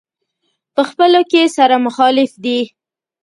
په خپلو کې سره مخالف دي.